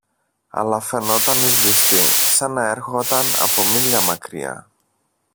αλλά φαινόταν σβηστή, σαν να ερχόταν από μίλια μακριά